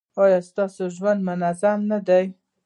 ایا ستاسو ژوند منظم نه دی؟